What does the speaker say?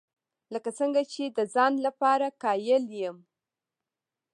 لکه څنګه چې د ځان لپاره قایل یم.